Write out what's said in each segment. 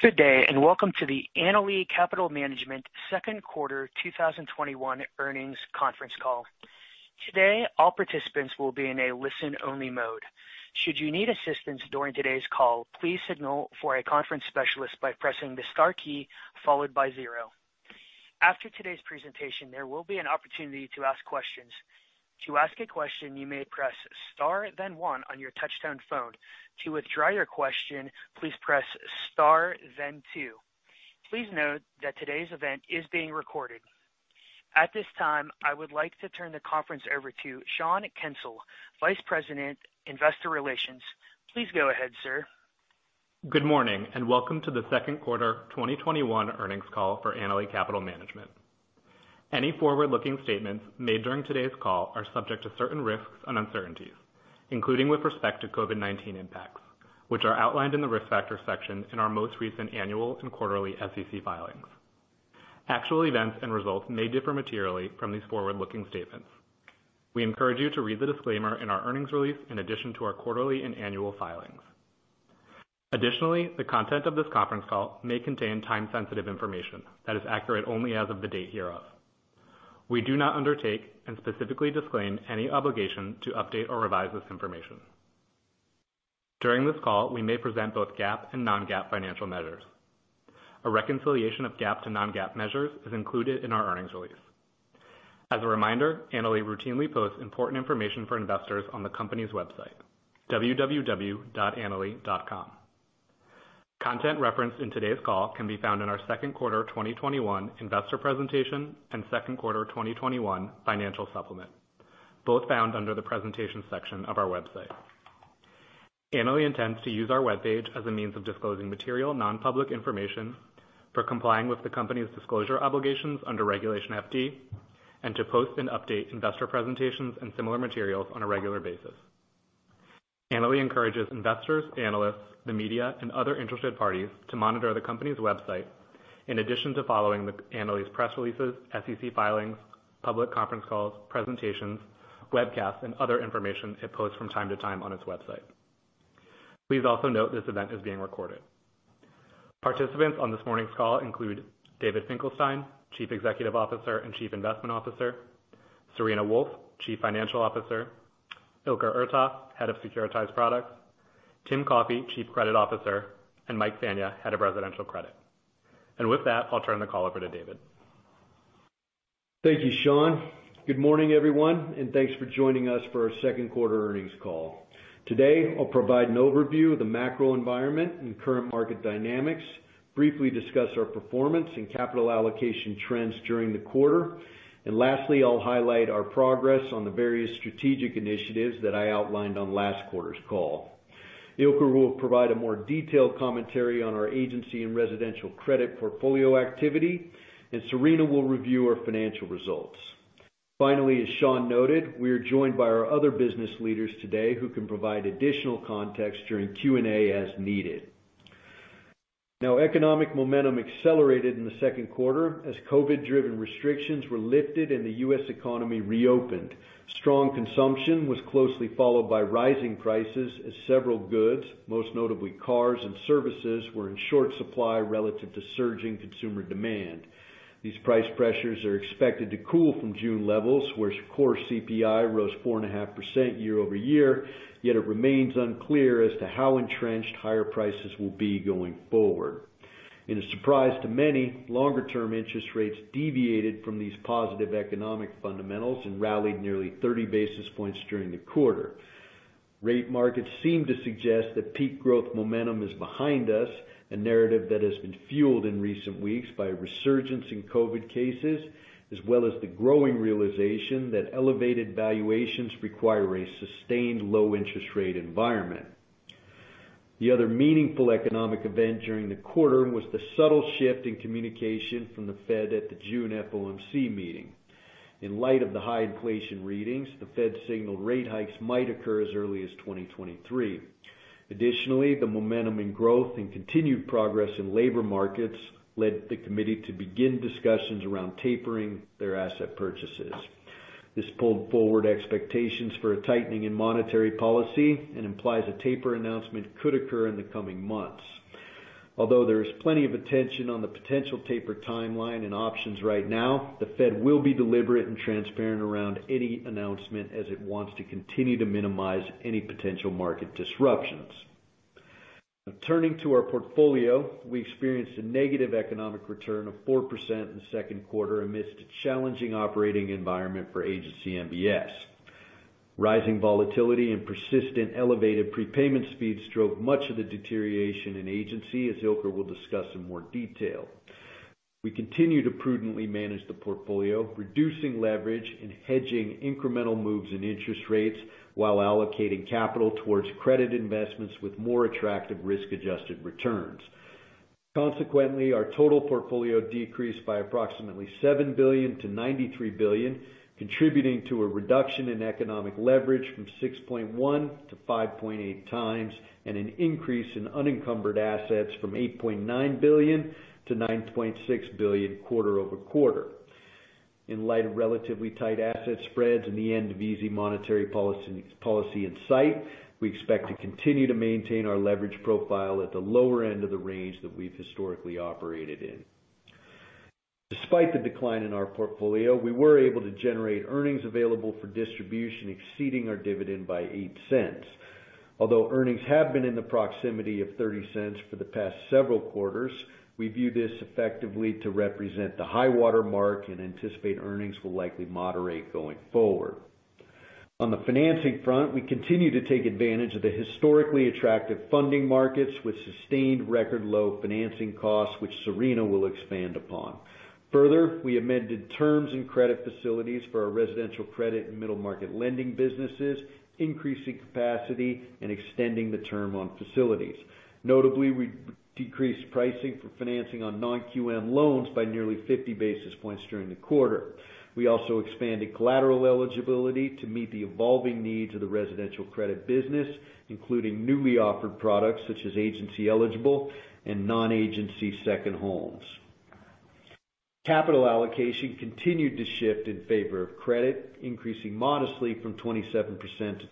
Good day, and welcome to the Annaly Capital Management second quarter 2021 earnings conference call. Today, all participants will be in a listen-only mode. Should you need assistance during today's call, please signal for a conference specialist by pressing the star key followed by zero. After today's presentation, there will be an opportunity to ask questions. To ask a question, you may press star then one on your touchtone phone. To withdraw your question, please press star then two. Please note that today's event is being recorded. At this time, I would like to turn the conference over to Sean Kensil, Vice President, Investor Relations. Please go ahead, sir. Good morning, and welcome to the second quarter 2021 earnings call for Annaly Capital Management. Any forward-looking statements made during today's call are subject to certain risks and uncertainties, including with respect to COVID-19 impacts, which are outlined in the risk factors section in our most recent annual and quarterly SEC filings. Actual events and results may differ materially from these forward-looking statements. We encourage you to read the disclaimer in our earnings release in addition to our quarterly and annual filings. Additionally, the content of this conference call may contain time-sensitive information that is accurate only as of the date hereof. We do not undertake and specifically disclaim any obligation to update or revise this information. During this call, we may present both GAAP and non-GAAP financial measures. A reconciliation of GAAP to non-GAAP measures is included in our earnings release. As a reminder, Annaly routinely posts important information for investors on the company's website, www.annaly.com. Content referenced in today's call can be found in our second quarter 2021 investor presentation and second quarter 2021 financial supplement, both found under the presentation section of our website. Annaly intends to use our webpage as a means of disclosing material non-public information, for complying with the company's disclosure obligations under Regulation FD, and to post and update investor presentations and similar materials on a regular basis. Annaly encourages investors, analysts, the media, and other interested parties to monitor the company's website in addition to following Annaly's press releases, SEC filings, public conference calls, presentations, webcasts, and other information it posts from time to time on its website. Please also note this event is being recorded. Participants on this morning's call include David Finkelstein, Chief Executive Officer and Chief Investment Officer, Serena Wolfe, Chief Financial Officer, Ilker Ertas, Head of Securitized Products, Tim Coffey, Chief Credit Officer, and Mike Fania, Head of Residential Credit. With that, I'll turn the call over to David. Thank you, Sean. Good morning, everyone, and thanks for joining us for our second quarter earnings call. Today, I will provide an overview of the macro environment and current market dynamics, briefly discuss our performance and capital allocation trends during the quarter, and lastly, I will highlight our progress on the various strategic initiatives that I outlined on last quarter's call. Ilker will provide a more detailed commentary on our Agency and residential credit portfolio activity, and Serena will review our financial results. As Sean noted, we are joined by our other business leaders today who can provide additional context during Q&A as needed. Economic momentum accelerated in the second quarter as COVID-19-driven restrictions were lifted and the U.S. economy reopened. Strong consumption was closely followed by rising prices as several goods, most notably cars and services, were in short supply relative to surging consumer demand. These price pressures are expected to cool from June levels, where core CPI rose 4.5% year-over-year, yet it remains unclear as to how entrenched higher prices will be going forward. In a surprise to many, longer-term interest rates deviated from these positive economic fundamentals and rallied nearly 30 basis points during the quarter. Rate markets seem to suggest that peak growth momentum is behind us, a narrative that has been fueled in recent weeks by a resurgence in COVID cases, as well as the growing realization that elevated valuations require a sustained low interest rate environment. The other meaningful economic event during the quarter was the subtle shift in communication from the Fed at the June FOMC meeting. In light of the high inflation readings, the Fed signaled rate hikes might occur as early as 2023. The momentum in growth and continued progress in labor markets led the committee to begin discussions around tapering their asset purchases. This pulled forward expectations for a tightening in monetary policy and implies a taper announcement could occur in the coming months. There is plenty of attention on the potential taper timeline and options right now, the Fed will be deliberate and transparent around any announcement as it wants to continue to minimize any potential market disruptions. Turning to our portfolio, we experienced a negative economic return of 4% in the second quarter amidst a challenging operating environment for Agency MBS. Rising volatility and persistent elevated prepayment speeds drove much of the deterioration in Agency, as Ilker will discuss in more detail. We continue to prudently manage the portfolio, reducing leverage and hedging incremental moves in interest rates while allocating capital towards credit investments with more attractive risk-adjusted returns. Consequently, our total portfolio decreased by approximately $7 billion-$93 billion, contributing to a reduction in economic leverage from 6.1 to 5.8 times, and an increase in unencumbered assets from $8.9 billion-$9.6 billion quarter-over-quarter. In light of relatively tight asset spreads and the end of easy monetary policy in sight, we expect to continue to maintain our leverage profile at the lower end of the range that we've historically operated in. Despite the decline in our portfolio, we were able to generate earnings available for distribution exceeding our dividend by $0.08. Although earnings have been in the proximity of $0.30 for the past several quarters, we view this effectively to represent the high-water mark and anticipate earnings will likely moderate going forward. On the financing front, we continue to take advantage of the historically attractive funding markets with sustained record-low financing costs, which Serena will expand upon. Further, we amended terms and credit facilities for our residential credit and middle market lending businesses, increasing capacity and extending the term on facilities. Notably, we decreased pricing for financing on non-QM loans by nearly 50 basis points during the quarter. We also expanded collateral eligibility to meet the evolving needs of the residential credit business, including newly offered products such as Agency-eligible and Non-Agency second homes. Capital allocation continued to shift in favor of credit, increasing modestly from 27%-29%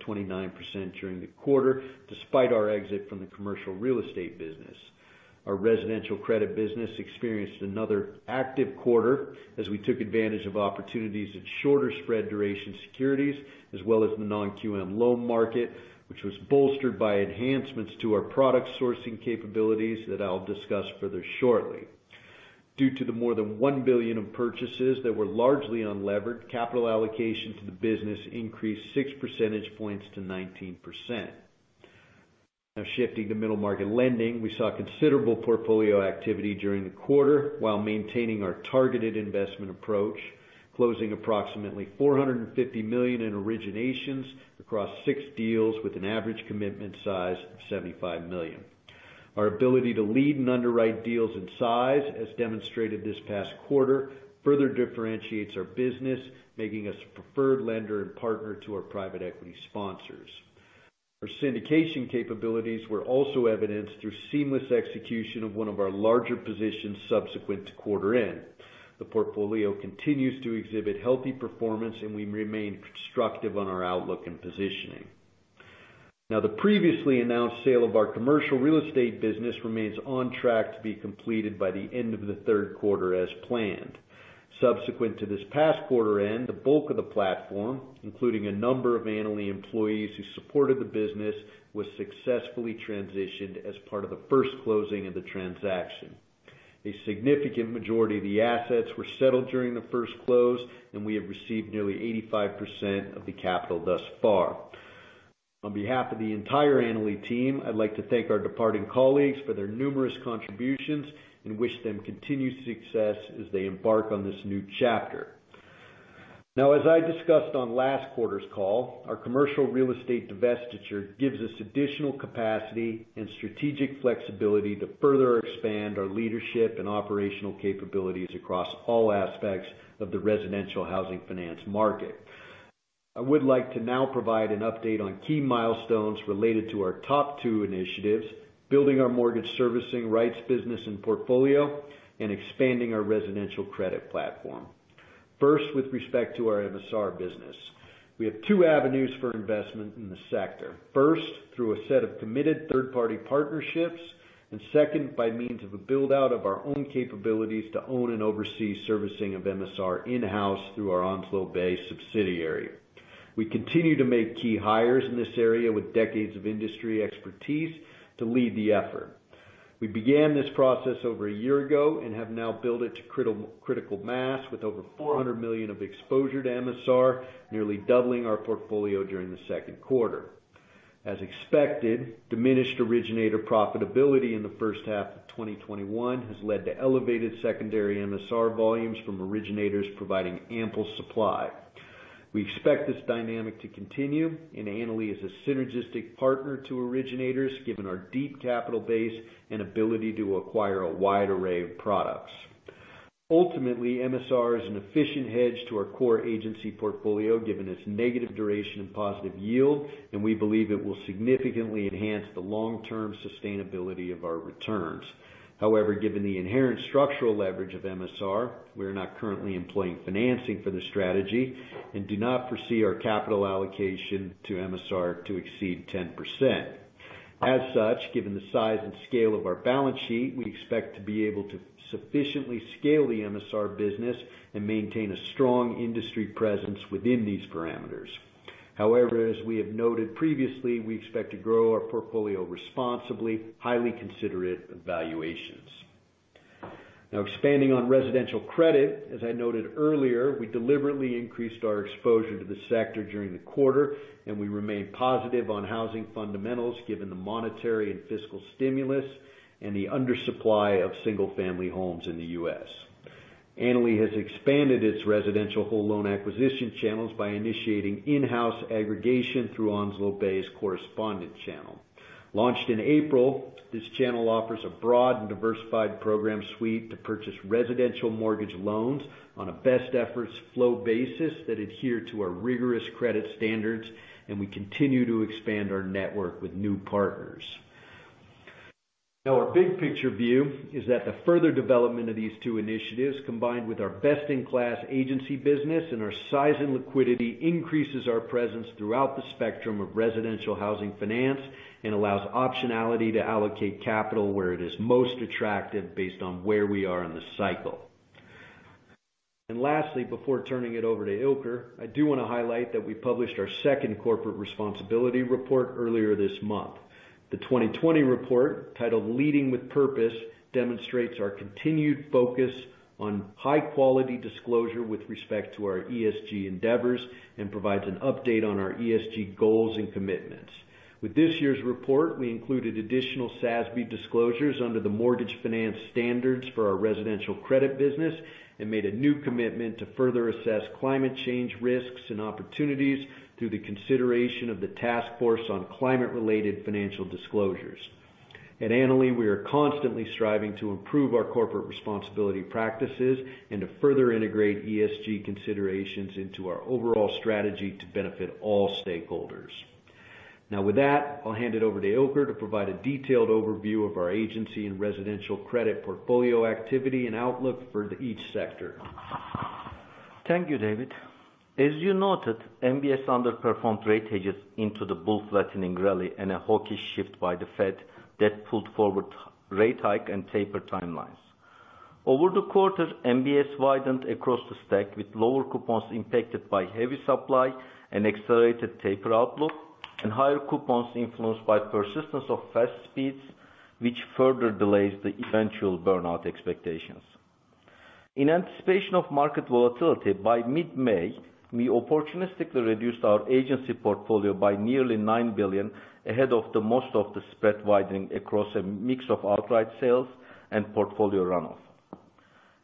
during the quarter, despite our exit from the commercial real estate business. Our residential credit business experienced another active quarter as we took advantage of opportunities in shorter spread duration securities, as well as the non-QM loan market, which was bolstered by enhancements to our product sourcing capabilities that I'll discuss further shortly. Due to the more than $1 billion of purchases that were largely unlevered, capital allocation to the business increased 6 percentage points to 19%. Now shifting to middle market lending, we saw considerable portfolio activity during the quarter while maintaining our targeted investment approach, closing approximately $450 million in originations across six deals with an average commitment size of $75 million. Our ability to lead and underwrite deals in size, as demonstrated this past quarter, further differentiates our business, making us a preferred lender and partner to our private equity sponsors. Our syndication capabilities were also evidenced through seamless execution of one of our larger positions subsequent to quarter end. The portfolio continues to exhibit healthy performance, and we remain constructive on our outlook and positioning. Now the previously announced sale of our commercial real estate business remains on track to be completed by the end of the third quarter as planned. Subsequent to this past quarter end, the bulk of the platform, including a number of Annaly employees who supported the business, was successfully transitioned as part of the first closing of the transaction. A significant majority of the assets were settled during the first close, and we have received nearly 85% of the capital thus far. On behalf of the entire Annaly team, I'd like to thank our departing colleagues for their numerous contributions and wish them continued success as they embark on this new chapter. Now, as I discussed on last quarter's call, our commercial real estate divestiture gives us additional capacity and strategic flexibility to further expand our leadership and operational capabilities across all aspects of the residential housing finance market. I would like to now provide an update on key milestones related to our top two initiatives, building our mortgage servicing rights business and portfolio and expanding our residential credit platform. First, with respect to our MSR business. We have two avenues for investment in the sector. First, through a set of committed third-party partnerships, and second, by means of a build-out of our own capabilities to own and oversee servicing of MSR in-house through our Onslow Bay subsidiary. We continue to make key hires in this area with decades of industry expertise to lead the effort. We began this process over a year ago and have now built it to critical mass with over $400 million of exposure to MSR, nearly doubling our portfolio during the second quarter. As expected, diminished originator profitability in the first half of 2021 has led to elevated secondary MSR volumes from originators providing ample supply. We expect this dynamic to continue. Annaly is a synergistic partner to originators given our deep capital base and ability to acquire a wide array of products. Ultimately, MSR is an efficient hedge to our core Agency portfolio, given its negative duration and positive yield. We believe it will significantly enhance the long-term sustainability of our returns. However, given the inherent structural leverage of MSR, we are not currently employing financing for this strategy and do not foresee our capital allocation to MSR to exceed 10%. As such, given the size and scale of our balance sheet, we expect to be able to sufficiently scale the MSR business and maintain a strong industry presence within these parameters. However, as we have noted previously, we expect to grow our portfolio responsibly, highly considerate of valuations. Now expanding on residential credit, as I noted earlier, we deliberately increased our exposure to the sector during the quarter, and we remain positive on housing fundamentals given the monetary and fiscal stimulus and the undersupply of single-family homes in the U.S. Annaly has expanded its residential whole loan acquisition channels by initiating in-house aggregation through Onslow Bay's correspondent channel. Launched in April, this channel offers a broad and diversified program suite to purchase residential mortgage loans on a best efforts flow basis that adhere to our rigorous credit standards, and we continue to expand our network with new partners. Our big picture view is that the further development of these two initiatives, combined with our best-in-class Agency business and our size and liquidity, increases our presence throughout the spectrum of residential housing finance and allows optionality to allocate capital where it is most attractive based on where we are in the cycle. Lastly, before turning it over to Ilker, I do want to highlight that we published our second corporate responsibility report earlier this month. The 2020 report, titled Leading with Purpose, demonstrates our continued focus on high-quality disclosure with respect to our ESG endeavors and provides an update on our ESG goals and commitments. With this year's report, we included additional SASB disclosures under the mortgage finance standards for our residential credit business and made a new commitment to further assess climate change risks and opportunities through the consideration of the Task Force on Climate-Related Financial Disclosures. At Annaly, we are constantly striving to improve our corporate responsibility practices and to further integrate ESG considerations into our overall strategy to benefit all stakeholders. With that, I'll hand it over to Ilker to provide a detailed overview of our Agency and residential credit portfolio activity and outlook for each sector. Thank you, David. As you noted, MBS underperformed rate hedges into the bull flattening rally and a hawkish shift by the Fed that pulled forward rate hike and taper timelines. Over the quarter, MBS widened across the stack with lower coupons impacted by heavy supply and accelerated taper outlook, and higher coupons influenced by persistence of fast speeds, which further delays the eventual burnout expectations. In anticipation of market volatility, by mid-May, we opportunistically reduced our Agency portfolio by nearly $9 billion ahead of the most of the spread widening across a mix of outright sales and portfolio runoff.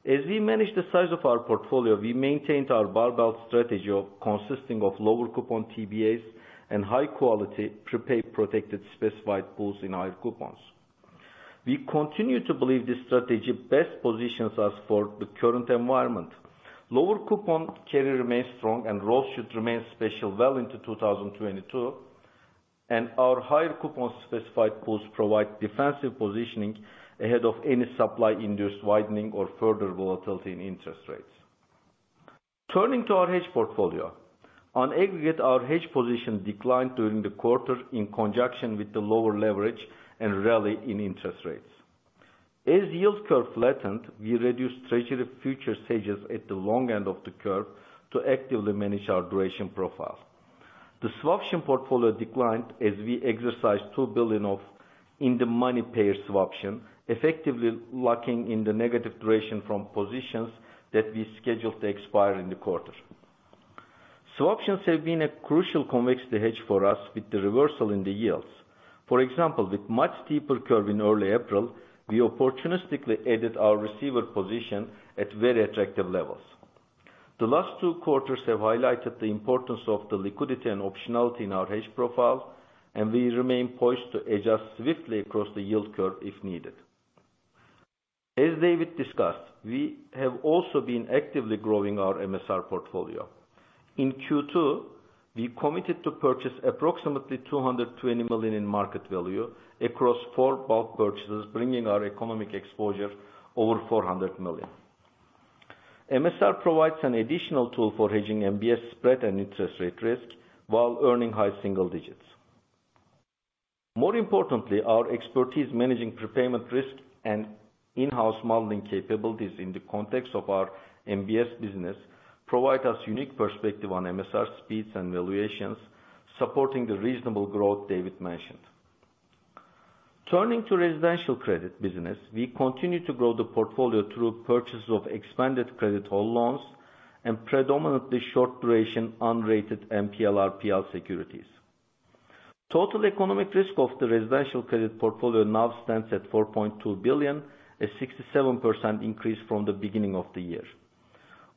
As we manage the size of our portfolio, we maintained our barbell strategy consisting of lower coupon TBAs and high-quality prepaid protected specified pools in higher coupons. We continue to believe this strategy best positions us for the current environment. Lower coupon carry remains strong and roll should remain special well into 2022, and our higher coupon specified pools provide defensive positioning ahead of any supply-induced widening or further volatility in interest rates. Turning to our hedge portfolio. On aggregate, our hedge position declined during the quarter in conjunction with the lower leverage and rally in interest rates. As yield curve flattened, we reduced treasury future stages at the long end of the curve to actively manage our duration profile. The swaption portfolio declined as we exercised $2 billion of in-the-money payer swaptions, effectively locking in the negative duration from positions that we scheduled to expire in the quarter. Swaptions have been a crucial convex hedge for us with the reversal in the yields. For example, with much steeper curve in early April, we opportunistically added our receiver position at very attractive levels. The last two quarters have highlighted the importance of the liquidity and optionality in our hedge profile, and we remain poised to adjust swiftly across the yield curve if needed. As David discussed, we have also been actively growing our MSR portfolio. In Q2, we committed to purchase approximately $220 million in market value across four bulk purchases, bringing our economic exposure over $400 million. MSR provides an additional tool for hedging MBS spread and interest rate risk while earning high single digits. More importantly, our expertise managing prepayment risk and in-house modeling capabilities in the context of our MBS business provide us unique perspective on MSR speeds and valuations supporting the reasonable growth David mentioned. Turning to residential credit business, we continue to grow the portfolio through purchase of expanded credit whole loans and predominantly short-duration unrated MPL/RPL securities. Total economic risk of the residential credit portfolio now stands at $4.2 billion, a 67% increase from the beginning of the year.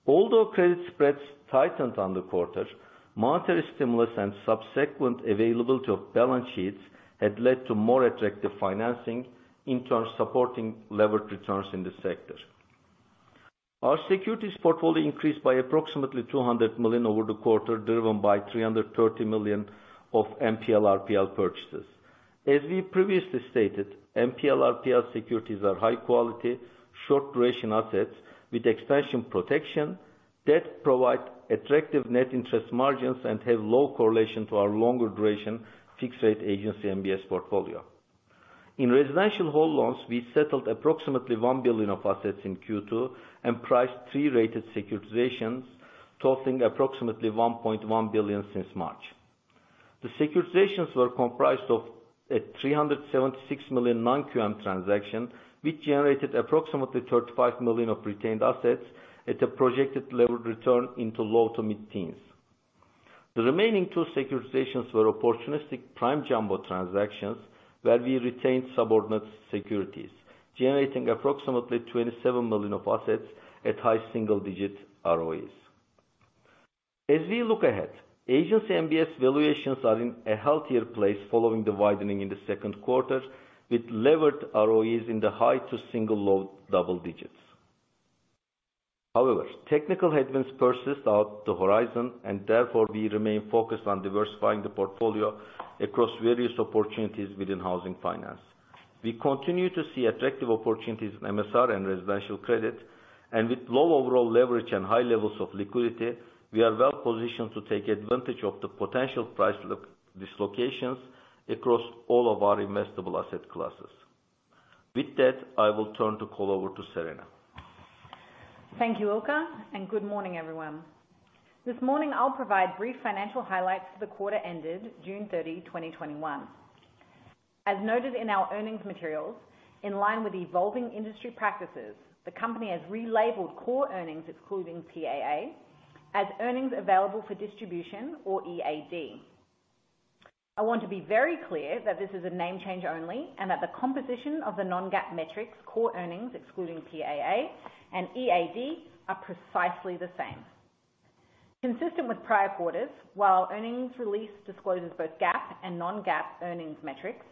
Although credit spreads tightened on the quarter, monetary stimulus and subsequent availability of balance sheets had led to more attractive financing, in turn supporting levered returns in this sector. Our securities portfolio increased by approximately $200 million over the quarter, driven by $330 million of MPL/RPL purchases. As we previously stated, MPL/RPL securities are high quality, short-duration assets with expansion protection that provide attractive net interest margins and have low correlation to our longer duration fixed-rate Agency MBS portfolio. In residential whole loans, we settled approximately $1 billion of assets in Q2 and priced three rated securitizations totaling approximately $1.1 billion since March. The securitizations were comprised of a $376 million non-QM transaction, which generated approximately $35 million of retained assets at a projected levered return into low to mid-teens. The remaining two securitizations were opportunistic prime jumbo transactions where we retained subordinate securities, generating approximately $27 million of assets at high single-digit ROEs. As we look ahead, Agency MBS valuations are in a healthier place following the widening in the second quarter with levered ROEs in the high to single low double digits. Technical headwinds persist out the horizon, and therefore we remain focused on diversifying the portfolio across various opportunities within housing finance. We continue to see attractive opportunities in MSR and residential credit. With low overall leverage and high levels of liquidity, we are well positioned to take advantage of the potential price dislocations across all of our investable asset classes. With that, I will turn the call over to Serena. Thank you, Ilker, and good morning, everyone. This morning, I'll provide brief financial highlights for the quarter ended June 30, 2021. As noted in our earnings materials, in line with evolving industry practices, the company has relabeled core earnings, excluding PAA, as earnings available for distribution or EAD. I want to be very clear that this is a name change only, and that the composition of the non-GAAP metrics, core earnings excluding PAA and EAD, are precisely the same. Consistent with prior quarters, while earnings release discloses both GAAP and non-GAAP earnings metrics,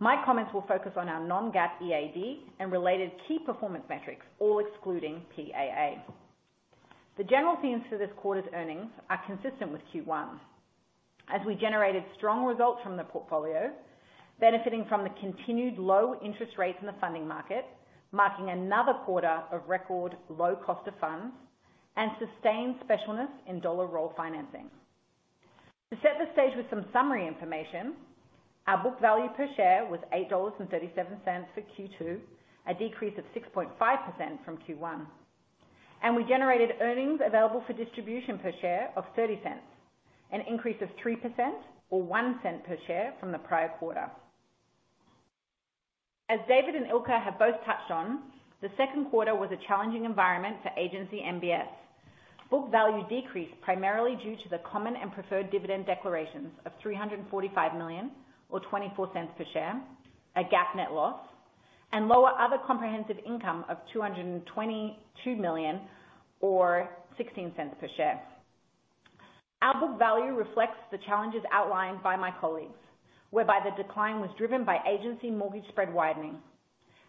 my comments will focus on our non-GAAP EAD and related key performance metrics, all excluding PAA. The general themes for this quarter's earnings are consistent with Q1, as we generated strong results from the portfolio, benefiting from the continued low interest rates in the funding market, marking another quarter of record low cost of funds, and sustained specialness in dollar roll financing. To set the stage with some summary information, our book value per share was $8.37 for Q2, a decrease of 6.5% from Q1. We generated earnings available for distribution per share of $0.30, an increase of 3% or $0.01 per share from the prior quarter. As David and Ilker have both touched on, the second quarter was a challenging environment for Agency MBS. Book value decreased primarily due to the common and preferred dividend declarations of $345 million or $0.24 per share, a GAAP net loss, and lower other comprehensive income of $222 million or $0.16 per share. Our book value reflects the challenges outlined by my colleagues, whereby the decline was driven by Agency mortgage spread widening.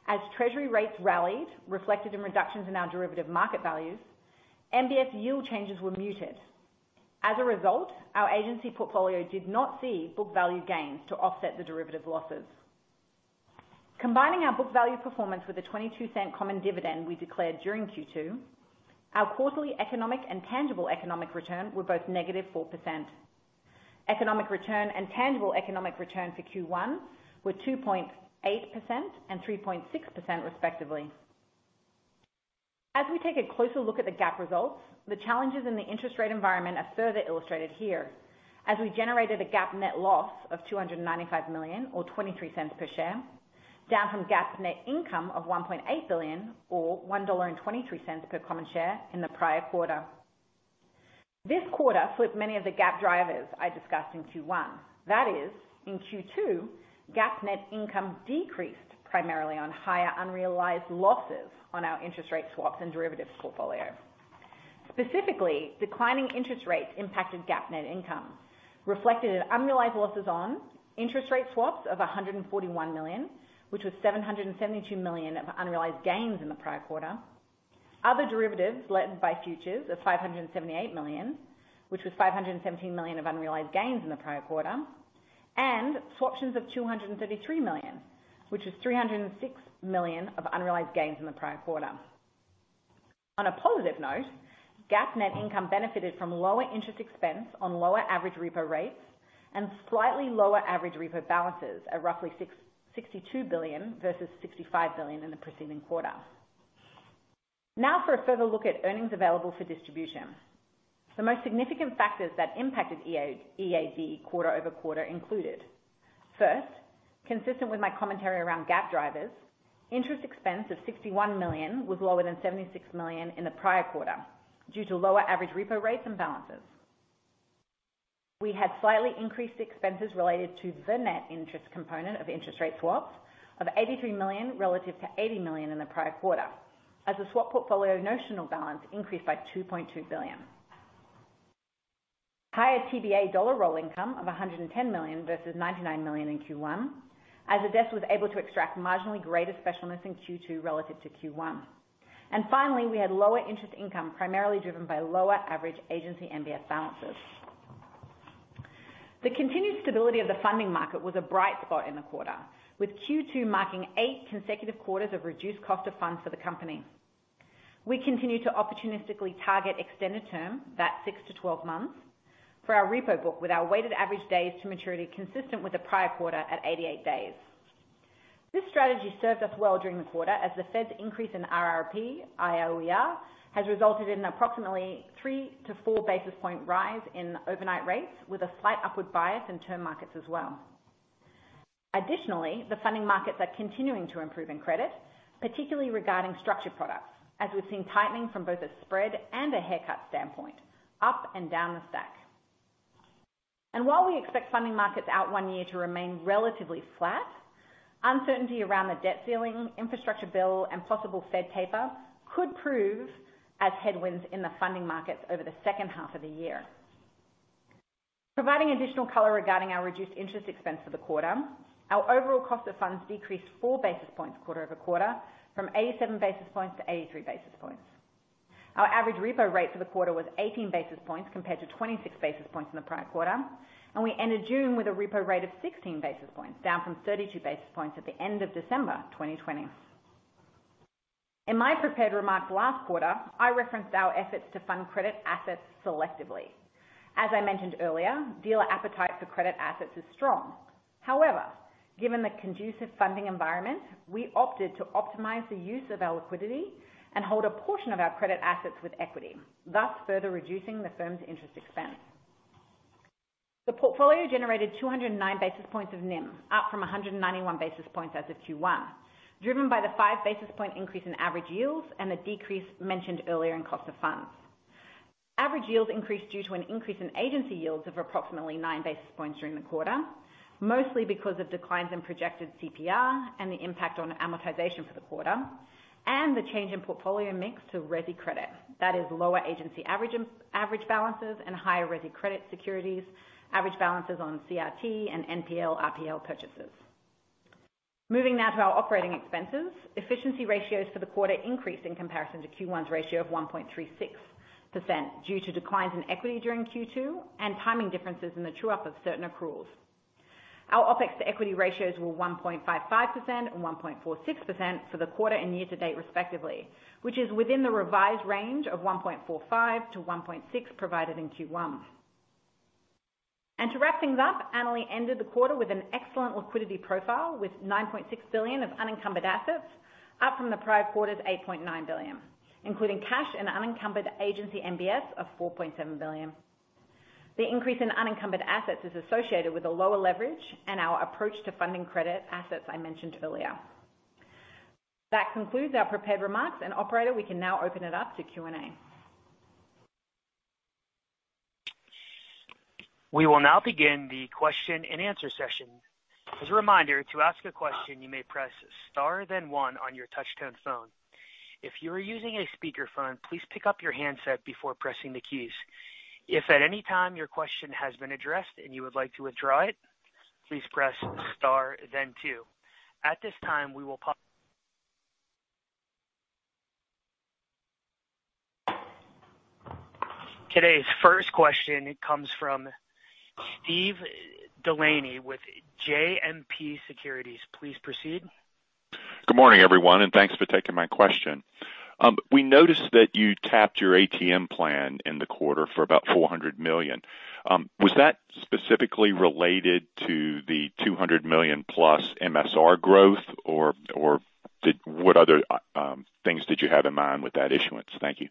As Treasury rates rallied, reflected in reductions in our derivative market values, MBS yield changes were muted. As a result, our Agency portfolio did not see book value gains to offset the derivative losses. Combining our book value performance with the $0.22 common dividend we declared during Q2, our quarterly economic and tangible economic return were both -4%. Economic return and tangible economic return for Q1 were 2.8% and 3.6% respectively. We generated a GAAP net loss of $295 million, or $0.23 per share, down from GAAP net income of $1.8 billion or $1.23 per common share in the prior quarter. This quarter flipped many of the GAAP drivers I discussed in Q1. That is, in Q2, GAAP net income decreased primarily on higher unrealized losses on our interest rate swaps and derivatives portfolio. Specifically, declining interest rates impacted GAAP net income, reflected in unrealized losses on interest rate swaps of $141 million, which was $772 million of unrealized gains in the prior quarter. Other derivatives led by futures of $578 million, which was $517 million of unrealized gains in the prior quarter, and swaptions of $233 million, which was $306 million of unrealized gains in the prior quarter. On a positive note, GAAP net income benefited from lower interest expense on lower average repo rates and slightly lower average repo balances of roughly $62 billion versus $65 billion in the preceding quarter. Now for a further look at earnings available for distribution. The most significant factors that impacted EAD quarter-over-quarter included: First, consistent with my commentary around GAAP drivers, interest expense of $61 million was lower than $76 million in the prior quarter due to lower average repo rates and balances. We had slightly increased expenses related to the net interest component of interest rate swaps of $83 million relative to $80 million in the prior quarter, as the swap portfolio notional balance increased by $2.2 billion. Higher TBA dollar roll income of $110 million versus $99 million in Q1, as Ilker was able to extract marginally greater specialness in Q2 relative to Q1. Finally, we had lower interest income primarily driven by lower average Agency MBS balances. The continued stability of the funding market was a bright spot in the quarter, with Q2 marking eight consecutive quarters of reduced cost of funds for the company. We continue to opportunistically target extended term, that's 6 to 12 months, for our repo book with our weighted average days to maturity consistent with the prior quarter at 88 days. This strategy served us well during the quarter as the Fed's increase in RRP, IOER, has resulted in an approximately 3 to 4 basis point rise in overnight rates with a slight upward bias in term markets as well. The funding markets are continuing to improve in credit, particularly regarding structured products, as we've seen tightening from both a spread and a haircut standpoint up and down the stack. While we expect funding markets out one year to remain relatively flat, uncertainty around the debt ceiling, infrastructure bill, and possible Fed taper could prove as headwinds in the funding markets over the second half of the year. Providing additional color regarding our reduced interest expense for the quarter, our overall cost of funds decreased 4 basis points quarter-over-quarter from 87 basis points to 83 basis points. Our average repo rate for the quarter was 18 basis points compared to 26 basis points in the prior quarter, and we ended June with a repo rate of 16 basis points, down from 32 basis points at the end of December 2020. In my prepared remarks last quarter, I referenced our efforts to fund credit assets selectively. As I mentioned earlier, dealer appetite for credit assets is strong. However, given the conducive funding environment, we opted to optimize the use of our liquidity and hold a portion of our credit assets with equity, thus further reducing the firm's interest expense. The portfolio generated 209 basis points of NIM, up from 191 basis points as of Q1, driven by the 5 basis point increase in average yields and the decrease mentioned earlier in cost of funds. Average yields increased due to an increase in Agency yields of approximately 9 basis points during the quarter, mostly because of declines in projected CPR and the impact on amortization for the quarter, and the change in portfolio mix to resi credit. That is lower Agency average balances and higher resi credit securities, average balances on CRT and NPL, RPL purchases. Moving now to our operating expenses. Efficiency ratios for the quarter increased in comparison to Q1's ratio of 1.36% due to declines in equity during Q2 and timing differences in the true-up of certain accruals. Our OPEX to equity ratios were 1.55% and 1.46% for the quarter and year to date respectively, which is within the revised range of 1.45%-1.6% provided in Q1. To wrap things up, Annaly ended the quarter with an excellent liquidity profile with $9.6 billion of unencumbered assets, up from the prior quarter's $8.9 billion, including cash and unencumbered Agency MBS of $4.7 billion. The increase in unencumbered assets is associated with a lower leverage and our approach to funding credit assets I mentioned earlier. That concludes our prepared remarks, and operator, we can now open it up to Q&A. We will now begin the question and answer session. Answer session. As a reminder, to ask a question, you may press star then one on your touchtone phone. If you are using a speakerphone, please pick up your handset before pressing the keys. If at any time your question has been addressed and you would like to withdraw it, please press star then two. At this time we will. Today's first question comes from Steve DeLaney with JMP Securities. Please proceed. Good morning, everyone. Thanks for taking my question. We noticed that you tapped your ATM plan in the quarter for about $400 million. Was that specifically related to the $200+ million MSR growth? What other things did you have in mind with that issuance? Thank you.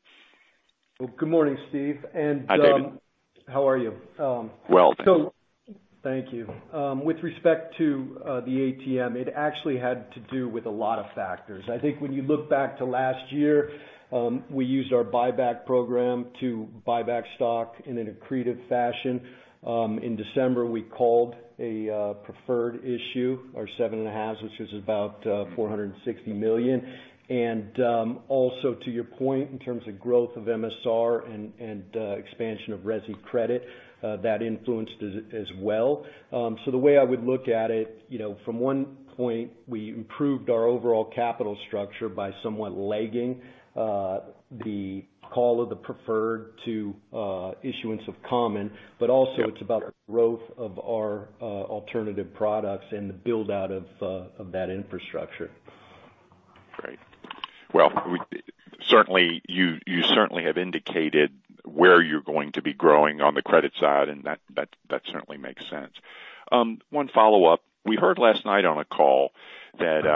Good morning, Steve. Hi, David. How are you? Well. Thank you. With respect to the ATM, it actually had to do with a lot of factors. I think when you look back to last year, we used our buyback program to buy back stock in an accretive fashion. In December, we called a preferred issue, our 7.5s, which was about $460 million. Also to your point, in terms of growth of MSR and expansion of resi credit, that influenced it as well. The way I would look at it, from one point, we improved our overall capital structure by somewhat lagging the call of the preferred to issuance of common. Also it's about the growth of our alternative products and the build-out of that infrastructure. Great. Well, you certainly have indicated where you're going to be growing on the credit side, and that certainly makes sense. One follow-up. We heard last night on a call that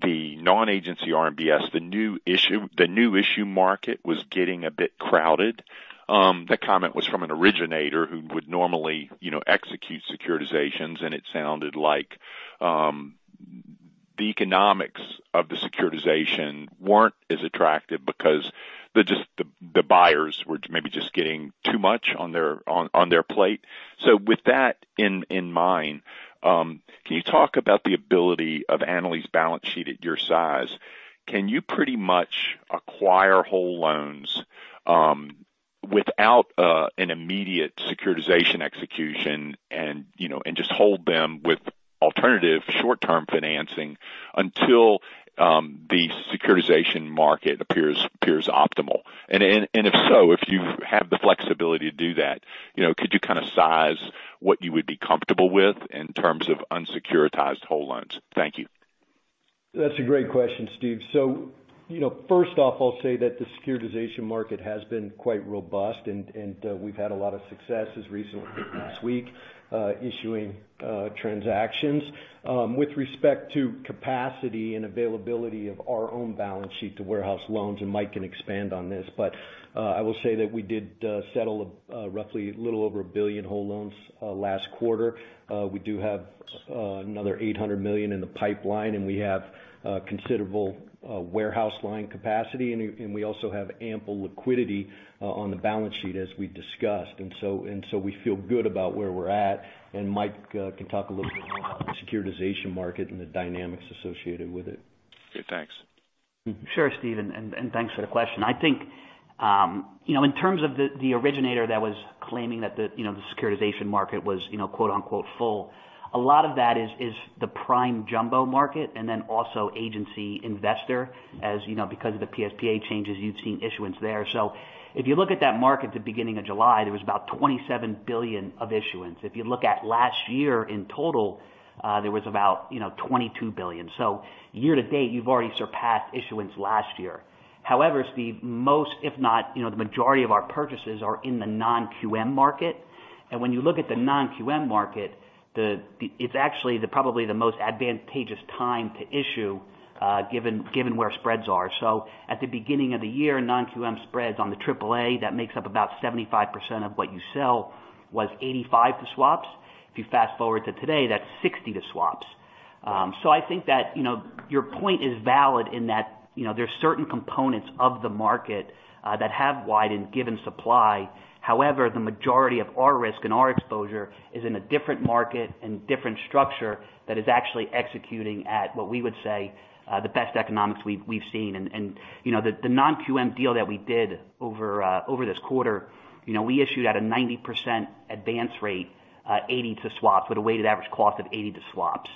the Non-Agency RMBS, the new issue market was getting a bit crowded. That comment was from an originator who would normally execute securitizations, and it sounded like the economics of the securitization weren't as attractive because the buyers were maybe just getting too much on their plate. With that in mind, can you talk about the ability of Annaly's balance sheet at your size? Can you pretty much acquire whole loans without an immediate securitization execution and just hold them with alternative short-term financing until the securitization market appears optimal? If so, if you have the flexibility to do that, could you kind of size what you would be comfortable with in terms of unsecuritized whole loans? Thank you. That's a great question, Steve. First off, I'll say that the securitization market has been quite robust and we've had a lot of success as recently as last week issuing transactions. With respect to capacity and availability of our own balance sheet to warehouse loans, and Mike can expand on this, but I will say that we did settle roughly a little over $1 billion whole loans last quarter. We do have another $800 million in the pipeline, and we have considerable warehouse line capacity, and we also have ample liquidity on the balance sheet as we discussed. We feel good about where we're at, and Mike can talk a little bit more about the securitization market and the dynamics associated with it. Okay, thanks. Sure, Steve, thanks for the question. I think in terms of the originator that was claiming that the securitization market was "full," a lot of that is the prime jumbo market also Agency investor as because of the PSPA changes, you'd seen issuance there. If you look at that market at the beginning of July, there was about $27 billion of issuance. If you look at last year in total, there was about $22 billion. Year to date, you've already surpassed issuance last year. However, Steve, most, if not, the majority of our purchases are in the non-QM market. When you look at the non-QM market, it's actually probably the most advantageous time to issue given where spreads are. At the beginning of the year, non-QM spreads on the AAA, that makes up about 75% of what you sell, was 85 to swaps. If you fast-forward to today, that's 60 to swaps. I think that your point is valid in that there are certain components of the market that have widened given supply. However, the majority of our risk and our exposure is in a different market and different structure that is actually executing at what we would say the best economics we've seen. The non-QM deal that we did over this quarter, we issued at a 90% advance rate, 80 to swaps with a weighted average cost of 80 to swaps.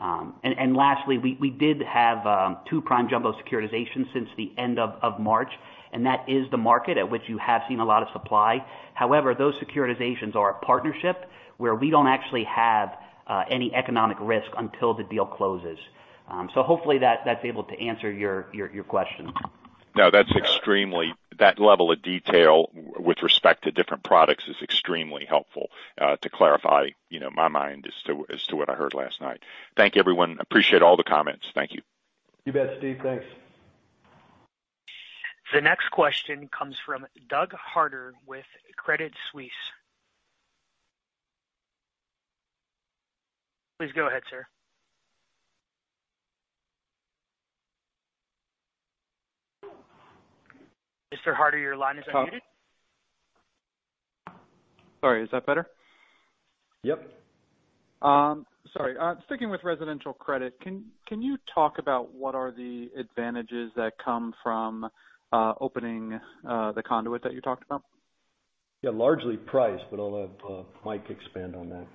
Lastly, we did have two prime jumbo securitizations since the end of March, and that is the market at which you have seen a lot of supply. Those securitizations are a partnership where we don't actually have any economic risk until the deal closes. Hopefully that's able to answer your question. No, that level of detail with respect to different products is extremely helpful to clarify my mind as to what I heard last night. Thank you, everyone. Appreciate all the comments. Thank you. You bet, Steve. Thanks. The next question comes from Doug Harter with Credit Suisse. Please go ahead, sir. Mr. Harter, your line is unmuted. Sorry, is that better? Yep. Sorry. Sticking with residential credit, can you talk about what are the advantages that come from opening the conduit that you talked about? Yeah, largely price, but I'll have Mike expand on that.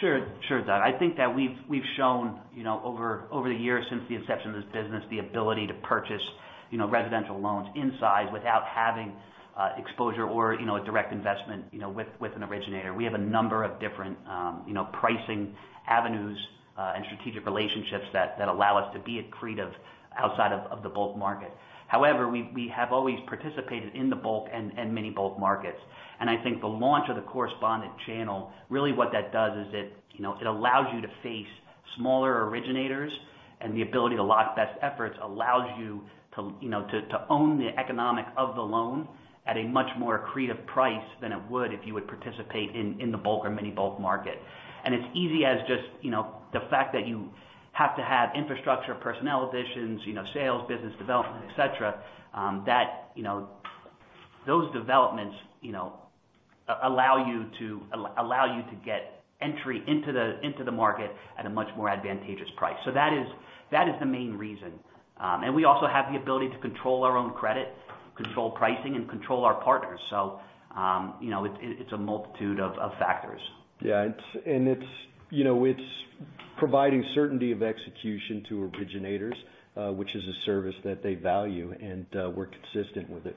Sure, Doug. I think that we've shown over the years since the inception of this business the ability to purchase residential loans in size without having exposure or a direct investment with an originator. We have a number of different pricing avenues and strategic relationships that allow us to be accretive outside of the bulk market. We have always participated in the bulk and mini bulk markets. I think the launch of the correspondent channel, really what that does is it allows you to face smaller originators, and the ability to lock best efforts allows you to own the economics of the loan at a much more accretive price than it would if you would participate in the bulk or mini bulk market. It's easy as just the fact that you have to have infrastructure, personnel additions, sales, business development, et cetera. Those developments allow you to get entry into the market at a much more advantageous price. That is the main reason. We also have the ability to control our own credit, control pricing, and control our partners. It's a multitude of factors. Yeah. It's providing certainty of execution to originators, which is a service that they value, and we're consistent with it.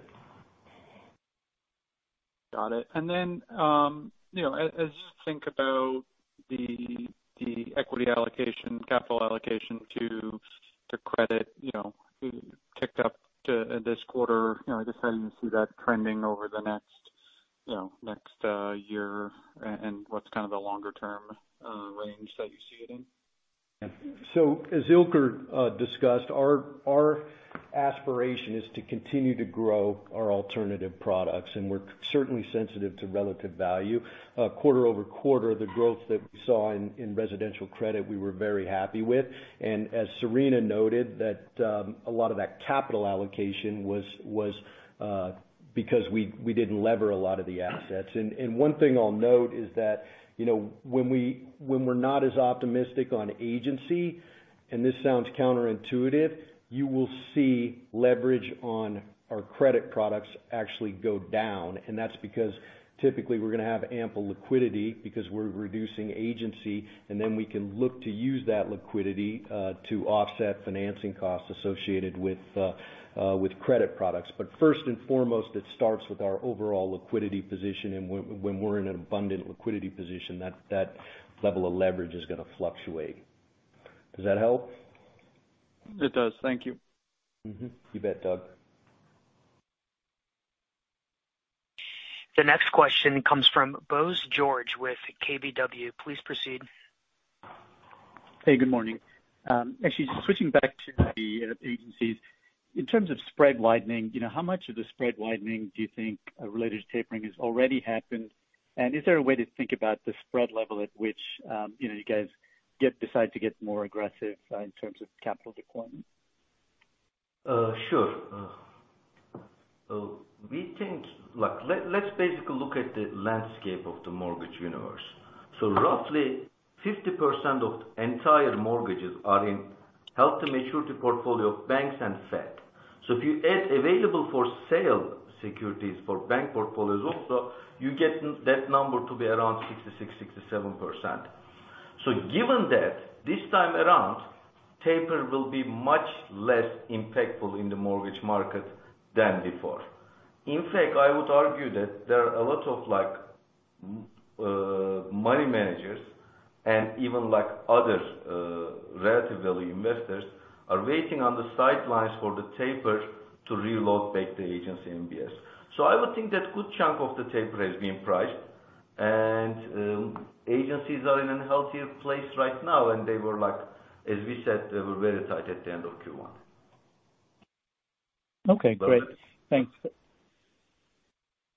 Got it. As you think about the equity allocation, capital allocation to credit ticked up this quarter. Just how do you see that trending over the next year and what's kind of the longer-term range that you see it in? As Ilker discussed, our aspiration is to continue to grow our alternative products, and we're certainly sensitive to relative value. Quarter over quarter, the growth that we saw in residential credit we were very happy with. As Serena noted that a lot of that capital allocation was because we didn't lever a lot of the assets. One thing I'll note is that when we're not as optimistic on Agency, and this sounds counterintuitive, you will see leverage on our credit products actually go down. That's because typically we're going to have ample liquidity because we're reducing Agency, and then we can look to use that liquidity to offset financing costs associated with credit products. First and foremost, it starts with our overall liquidity position. When we're in an abundant liquidity position, that level of leverage is going to fluctuate. Does that help? It does. Thank you. Mm-hmm. You bet, Doug. The next question comes from Bose George with KBW. Please proceed. Hey, good morning. Actually switching back to the agencies. In terms of spread widening, how much of the spread widening do you think related to tapering has already happened? Is there a way to think about the spread level at which you guys decide to get more aggressive in terms of capital deployment? Sure. We think, let's basically look at the landscape of the mortgage universe. Roughly 50% of entire mortgages are in held to maturity portfolio of banks and Fed. If you add available for sale securities for bank portfolios also, you get that number to be around 66%-67%. Given that this time around, taper will be much less impactful in the mortgage market than before. In fact, I would argue that there are a lot of money managers and even other relatively investors are waiting on the sidelines for the taper to reload back the Agency MBS. I would think that good chunk of the taper has been priced and agencies are in a healthier place right now than they were like, as we said, they were very tight at the end of Q1. Okay, great. Thanks.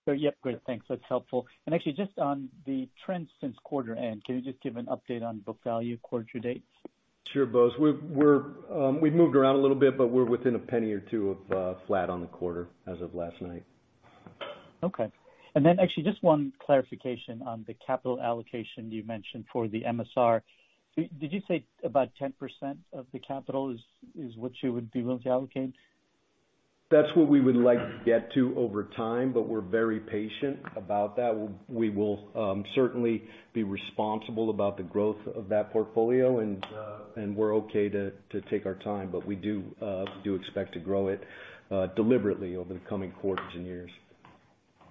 Yep, great, thanks. That's helpful. Actually just on the trends since quarter end, can you just give an update on book value quarter to date? Sure, Bose. We've moved around a little bit, but we're within $0.01 or $0.02 of flat on the quarter as of last night. Okay. Actually just one clarification on the capital allocation you mentioned for the MSR. Did you say about 10% of the capital is what you would be willing to allocate? That's what we would like to get to over time, but we're very patient about that. We will certainly be responsible about the growth of that portfolio and we're okay to take our time, but we do expect to grow it deliberately over the coming quarters and years.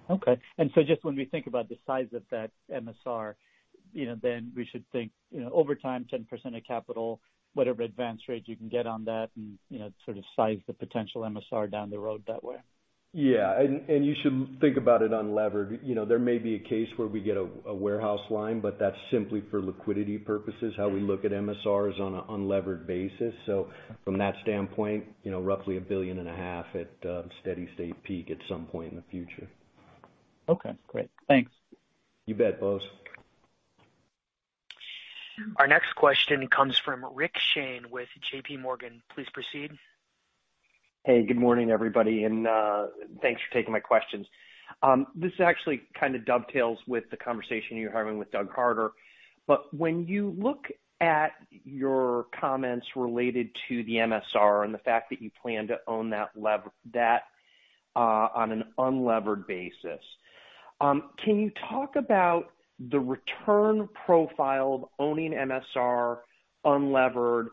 Okay. Just when we think about the size of that MSR, then we should think, over time, 10% of capital, whatever advance rates you can get on that and sort of size the potential MSR down the road that way. Yeah. You should think about it unlevered. There may be a case where we get a warehouse line, but that's simply for liquidity purposes. How we look at MSR is on an unlevered basis. From that standpoint, roughly a billion and a half dollars at steady state peak at some point in the future. Okay, great. Thanks. You bet, Bose. Our next question comes from Rick Shane with JPMorgan. Please proceed. Hey, good morning, everybody, and thanks for taking my questions. This actually kind of dovetails with the conversation you were having with Doug Harter. When you look at your comments related to the MSR and the fact that you plan to own that on an unlevered basis, can you talk about the return profile of owning MSR unlevered?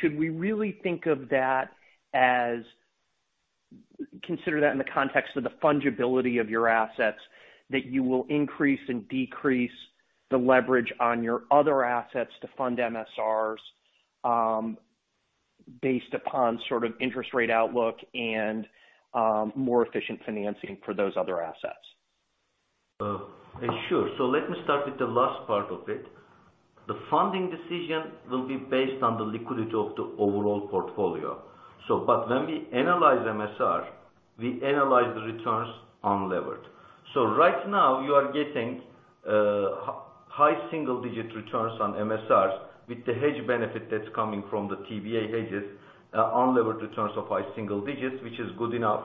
Should we really think of that as, consider that in the context of the fungibility of your assets, that you will increase and decrease the leverage on your other assets to fund MSRs based upon sort of interest rate outlook and more efficient financing for those other assets? Sure. Let me start with the last part of it. The funding decision will be based on the liquidity of the overall portfolio. When we analyze MSR, we analyze the returns unlevered. Right now you are getting high single digit returns on MSRs with the hedge benefit that's coming from the TBA hedges, unlevered returns of high single digits, which is good enough.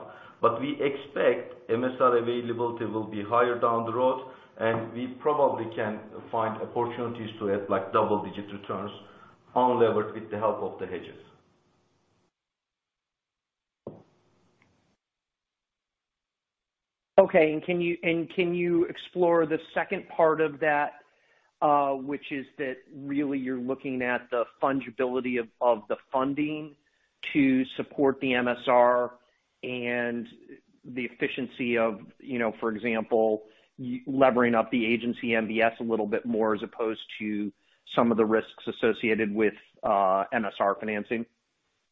We expect MSR availability will be higher down the road, and we probably can find opportunities to add double-digit returns unlevered with the help of the hedges. Okay. Can you explore the second part of that which is that really you're looking at the fungibility of the funding to support the MSR and the efficiency of, for example, levering up the Agency MBS a little bit more as opposed to some of the risks associated with MSR financing?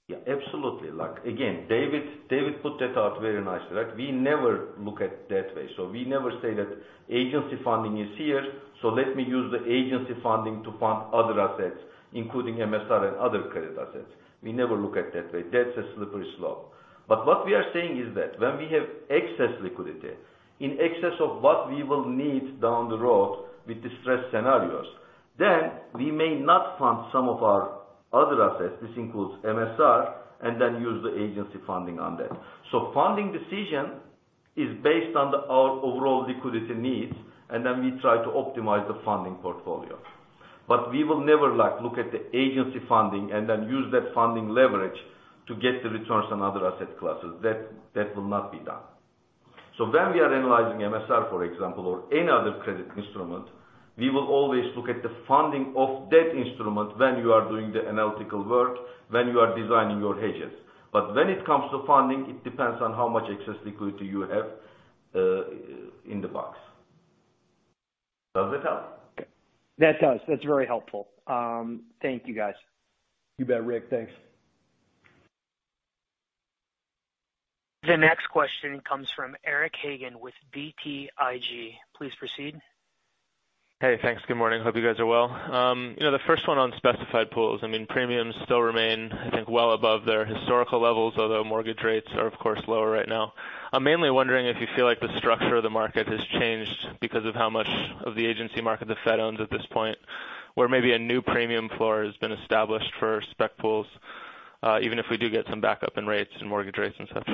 Yeah, absolutely. David put that out very nicely, right? We never look at that way. We never say that Agency funding is here, so let me use the Agency funding to fund other assets, including MSR and other credit assets. We never look at that way. That's a slippery slope. What we are saying is that when we have excess liquidity in excess of what we will need down the road with the stress scenarios, then we may not fund some of our other assets, this includes MSR, and then use the Agency funding on that. Funding decision is based on our overall liquidity needs, and then we try to optimize the funding portfolio. We will never look at the Agency funding and then use that funding leverage to get the returns on other asset classes. That will not be done. When we are analyzing MSR, for example, or any other credit instrument, we will always look at the funding of that instrument when you are doing the analytical work, when you are designing your hedges. When it comes to funding, it depends on how much excess liquidity you have in the box. Does that help? That does. That's very helpful. Thank you guys. You bet, Rick. Thanks. The next question comes from Eric Hagen with BTIG. Please proceed. Hey, thanks. Good morning. Hope you guys are well. The first one on specified pools. Premiums still remain, I think, well above their historical levels, although mortgage rates are of course lower right now. I'm mainly wondering if you feel like the structure of the market has changed because of how much of the Agency market the Fed owns at this point, where maybe a new premium floor has been established for spec pools, even if we do get some backup in rates and mortgage rates and such?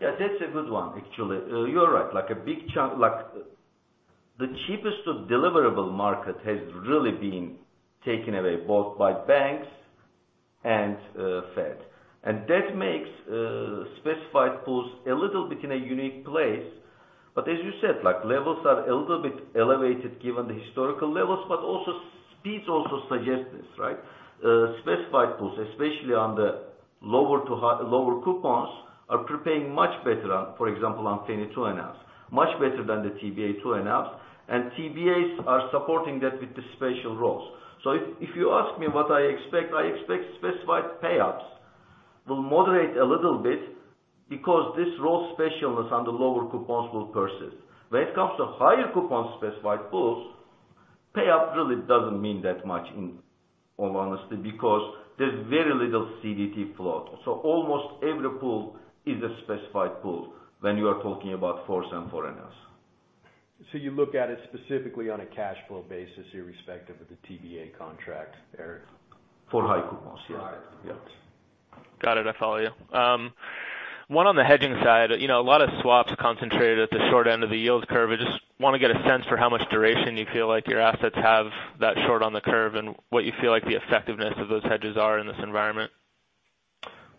Yeah, that's a good one, actually. You are right. The cheapest of deliverable market has really been taken away both by banks and Fed. That makes specified pools a little bit in a unique place. As you said, levels are a little bit elevated given the historical levels, but speeds also suggest this, right? Specified pools, especially on the lower coupons, are prepaying much better, for example, on 10 and 2.5s, much better than the TBA 2.5s. TBAs are supporting that with the special rolls. If you ask me what I expect, I expect specified payouts will moderate a little bit because this roll specialness on the lower coupons will persist. When it comes to higher coupon specified pools, payout really doesn't mean that much in all honesty because there's very little CTD float. Almost every pool is a specified pool when you are talking about 4s and 4.5s. You look at it specifically on a cash flow basis irrespective of the TBA contract there. For high coupons, yeah. Got it. Got it. I follow you. One on the hedging side. A lot of swaps concentrated at the short end of the yield curve. I just want to get a sense for how much duration you feel like your assets have that short on the curve and what you feel like the effectiveness of those hedges are in this environment.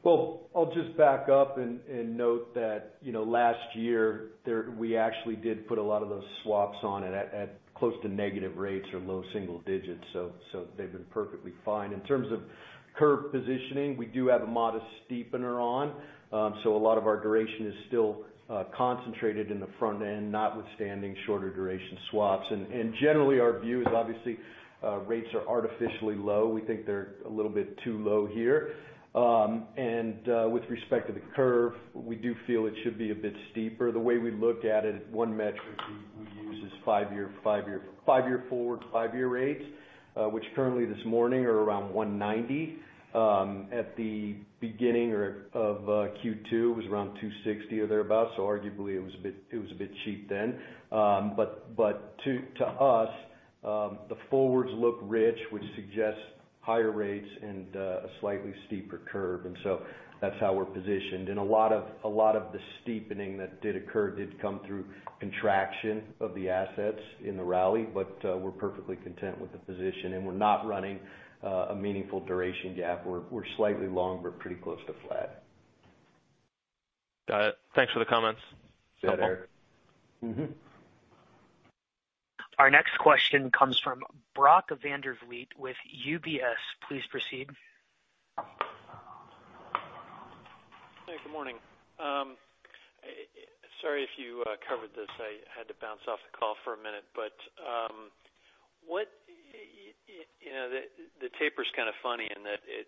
Well, I'll just back up and note that last year we actually did put a lot of those swaps on at close to negative rates or low single digits. They've been perfectly fine. In terms of curve positioning, we do have a modest steepener on. A lot of our duration is still concentrated in the front end, notwithstanding shorter duration swaps. Generally our view is obviously rates are artificially low. We think they're a little bit too low here. With respect to the curve, we do feel it should be a bit steeper. The way we look at it, one metric we use is five-year forward, five-year rates, which currently this morning are around 190. At the beginning of Q2 was around 260 or thereabout. Arguably it was a bit cheap then. To us, the forwards look rich, which suggests higher rates and a slightly steeper curve. That's how we're positioned. A lot of the steepening that did occur did come through contraction of the assets in Annaly. We're perfectly content with the position and we're not running a meaningful duration gap. We're slightly long, but pretty close to flat. Got it. Thanks for the comments. Yeah. Our next question comes from Brock Vandervliet with UBS. Please proceed. Hey, good morning. Sorry if you covered this. I had to bounce off the call for a minute. The taper's kind of funny in that it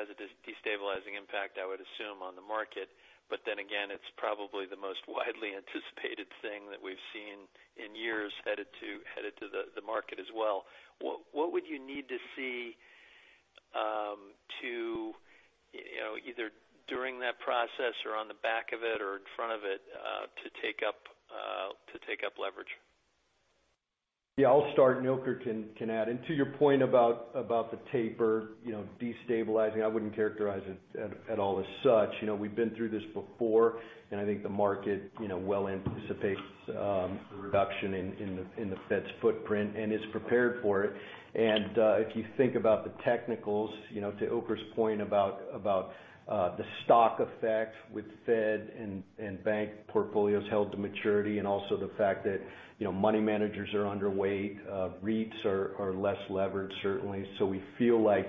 has a destabilizing impact, I would assume, on the market. Again, it's probably the most widely anticipated thing that we've seen in years headed to the market as well. What would you need to see either during that process or on the back of it or in front of it to take up leverage? Yeah, I'll start and Ilker can add. To your point about the taper destabilizing, I wouldn't characterize it at all as such. We've been through this before, and I think the market well anticipates a reduction in the Fed's footprint and is prepared for it. If you think about the technicals, to Ilker's point about the stock effect with Fed and bank portfolios held to maturity and also the fact that money managers are underweight, REITs are less leveraged certainly. We feel like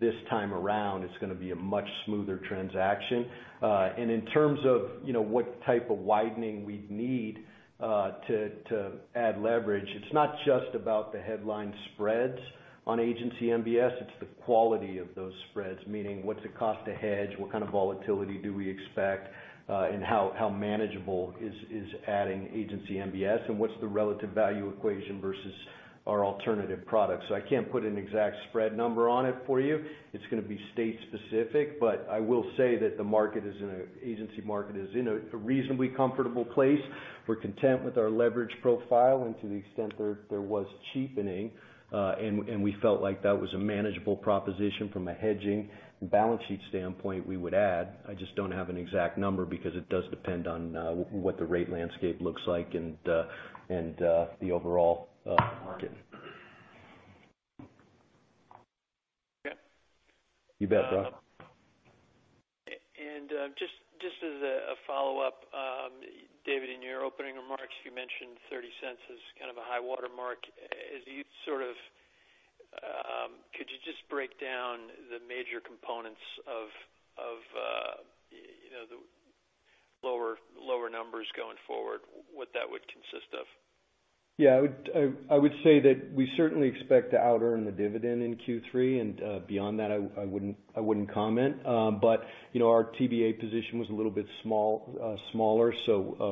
this time around it's going to be a much smoother transaction. In terms of what type of widening we'd need to add leverage, it's not just about the headline spreads on Agency MBS, it's the quality of those spreads meaning what's it cost to hedge, what kind of volatility do we expect, and how manageable is adding Agency MBS, and what's the relative value equation versus our alternative products. I can't put an exact spread number on it for you. It's going to be state specific. I will say that the Agency market is in a reasonably comfortable place. We're content with our leverage profile. To the extent there was cheapening, and we felt like that was a manageable proposition from a hedging and balance sheet standpoint, we would add. I just don't have an exact number because it does depend on what the rate landscape looks like and the overall market. Okay. You bet, Brock. Just as a follow-up. David, in your opening remarks you mentioned $0.30 as kind of a high watermark. Could you just break down the major components of the lower numbers going forward, what that would consist of? Yeah. I would say that we certainly expect to out earn the dividend in Q3. Beyond that I wouldn't comment. Our TBA position was a little bit smaller.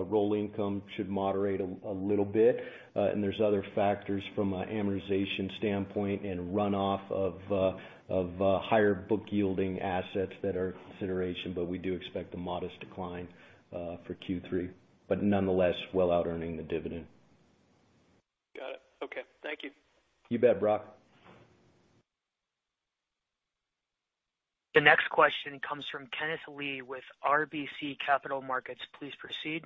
Roll income should moderate a little bit. There's other factors from an amortization standpoint and runoff of higher book yielding assets that are in consideration. We do expect a modest decline for Q3. Nonetheless, well out earning the dividend. Thank you. You bet, Brock. The next question comes from Kenneth Lee with RBC Capital Markets. Please proceed.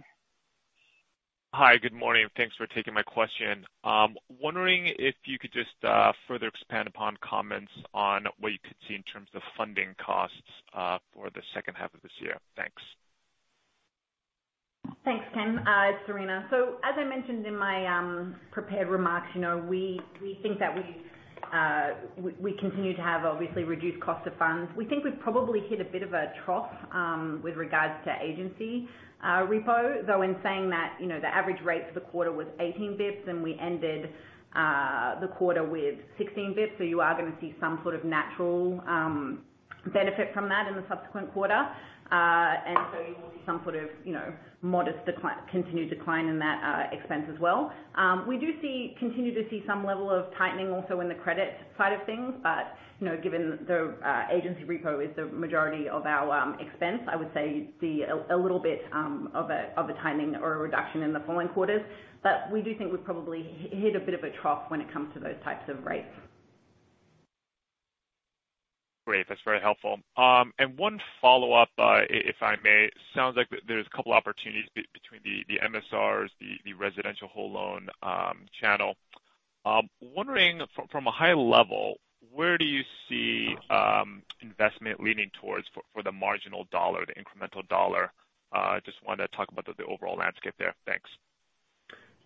Hi. Good morning. Thanks for taking my question. I'm wondering if you could just further expand upon comments on what you could see in terms of funding costs for the second half of this year. Thanks. Thanks, Ken. It's Serena. As I mentioned in my prepared remarks, we think that we continue to have obviously reduced cost of funds. We think we've probably hit a bit of a trough, with regards to Agency repo, though in saying that, the average rate for the quarter was 18 basis points, and we ended the quarter with 16 basis points. You are going to see some sort of natural benefit from that in the subsequent quarter. You will see some sort of modest continued decline in that expense as well. We do continue to see some level of tightening also in the credit side of things, given the Agency repo is the majority of our expense, I would say you'd see a little bit of a timing or a reduction in the following quarters. We do think we've probably hit a bit of a trough when it comes to those types of rates. Great. That's very helpful. One follow-up, if I may. Sounds like there's a couple opportunities between the MSRs, the residential whole loan channel. I'm wondering from a high level, where do you see investment leaning towards for the marginal dollar, the incremental dollar? Just wanted to talk about the overall landscape there. Thanks.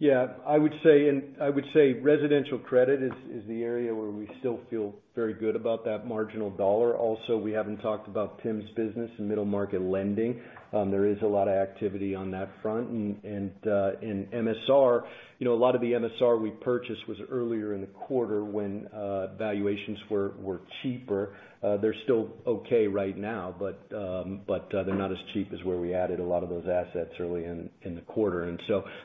Yeah, I would say residential credit is the area where we still feel very good about that marginal dollar. Also, we haven't talked about Tim's business in middle market lending. There is a lot of activity on that front. In MSR, a lot of the MSR we purchased was earlier in the quarter when valuations were cheaper. They're still okay right now, but they're not as cheap as where we added a lot of those assets early in the quarter.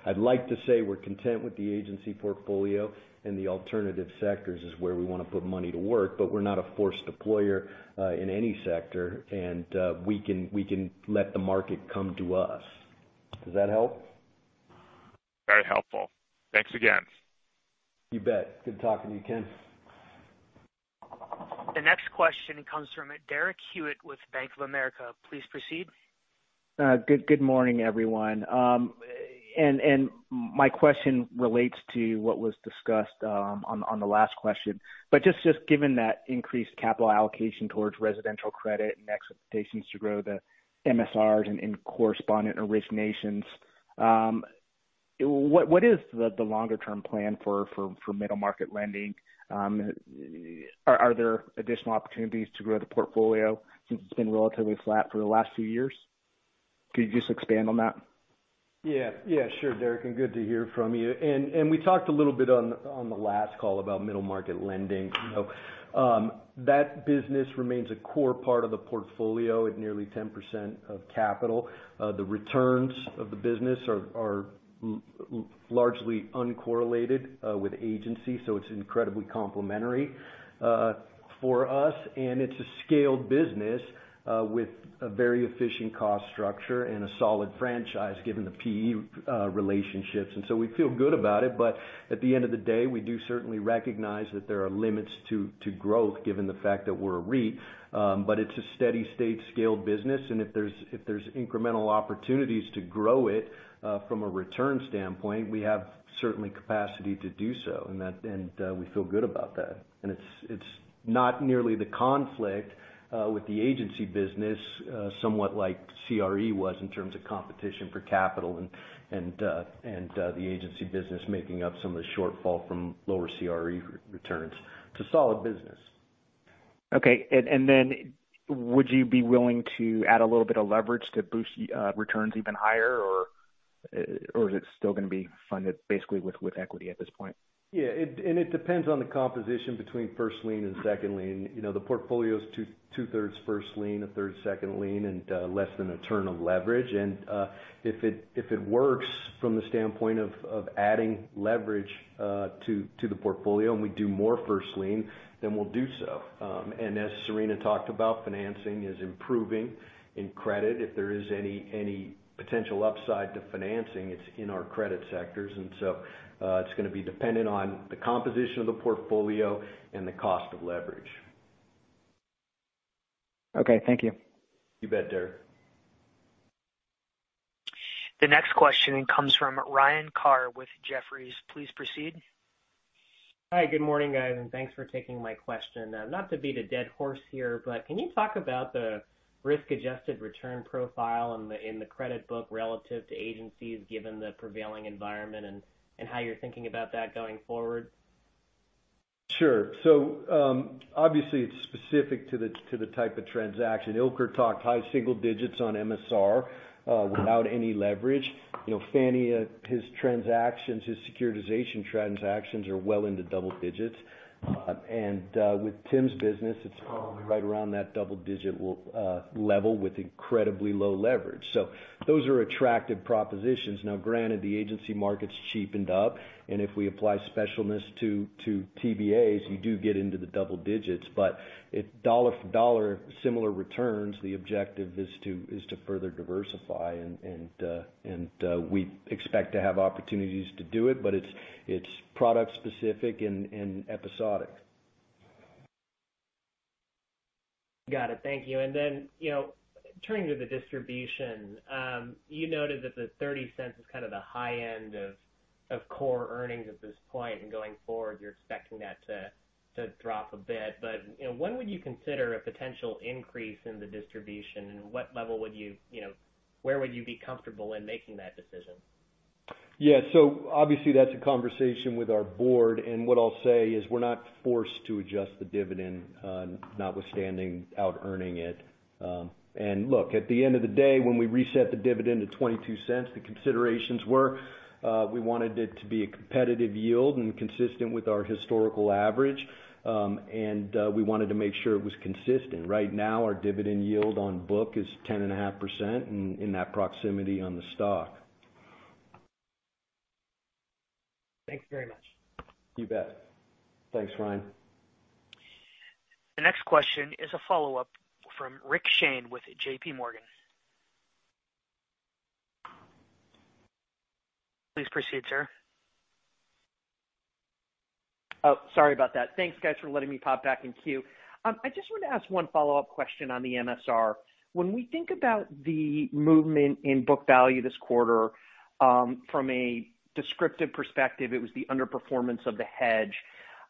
I'd like to say we're content with the Agency portfolio, and the alternative sectors is where we want to put money to work, but we're not a forced deployer in any sector. We can let the market come to us. Does that help? Very helpful. Thanks again. You bet. Good talking to you, Ken. The next question comes from Derek Hewett with Bank of America. Please proceed. Good morning, everyone. My question relates to what was discussed on the last question. Just given that increased capital allocation towards residential credit and expectations to grow the MSRs and in correspondent originations, what is the longer-term plan for middle market lending? Are there additional opportunities to grow the portfolio since it's been relatively flat for the last few years? Could you just expand on that? Yeah. Sure, Derek, good to hear from you. We talked a little bit on the last call about middle market lending. That business remains a core part of the portfolio at nearly 10% of capital. The returns of the business are largely uncorrelated with Agency, so it's incredibly complementary for us. It's a scaled business with a very efficient cost structure and a solid franchise given the PE relationships. We feel good about it. At the end of the day, we do certainly recognize that there are limits to growth given the fact that we're a REIT. It's a steady-state scaled business, and if there's incremental opportunities to grow it from a return standpoint, we have certainly capacity to do so, and we feel good about that. It's not nearly the conflict with the Agency business somewhat like CRE was in terms of competition for capital and the Agency business making up some of the shortfall from lower CRE returns. It's a solid business. Okay. Would you be willing to add a little bit of leverage to boost returns even higher, or is it still going to be funded basically with equity at this point? Yeah. It depends on the composition between first lien and second lien. The portfolio's two-thirds first lien, 1/3 second lien, and less than a turn of leverage. If it works from the standpoint of adding leverage to the portfolio and we do more first lien, then we'll do so. As Serena talked about, financing is improving in credit. If there is any potential upside to financing, it's in our credit sectors. It's going to be dependent on the composition of the portfolio and the cost of leverage. Okay. Thank you. You bet, Derek. The next question comes from Ryan Carr with Jefferies. Please proceed. Hi. Good morning, guys, and thanks for taking my question. Not to beat a dead horse here, can you talk about the risk-adjusted return profile in the credit book relative to agencies given the prevailing environment and how you're thinking about that going forward? Sure. Obviously it's specific to the type of transaction. Ilker talked high single digits on MSR without any leverage. Fannie, his securitization transactions are well into double digits. With Tim's business, it's probably right around that double-digit level with incredibly low leverage. Those are attractive propositions. Now granted, the Agency market's cheapened up, and if we apply specialness to TBAs, you do get into the double digits. Dollar-for-dollar similar returns, the objective is to further diversify, and we expect to have opportunities to do it, but it's product specific and episodic. Got it. Thank you. Turning to the distribution, you noted that the $0.30 is kind of the high end of core earnings at this point, and going forward, you're expecting that to drop a bit. When would you consider a potential increase in the distribution, and where would you be comfortable in making that decision? Yeah. Obviously that's a conversation with our board, and what I'll say is we're not forced to adjust the dividend, notwithstanding out-earning it. Look, at the end of the day, when we reset the dividend to $0.22, the considerations were we wanted it to be a competitive yield and consistent with our historical average. We wanted to make sure it was consistent. Right now, our dividend yield on book is 10.5% and in that proximity on the stock. Thanks very much. You bet. Thanks, Ryan. The next question is a follow-up from Rick Shane with JPMorgan. Please proceed, sir. Oh, sorry about that. Thanks, guys, for letting me pop back in queue. I just wanted to ask one follow-up question on the MSR. When we think about the movement in book value this quarter, from a descriptive perspective, it was the underperformance of the hedge.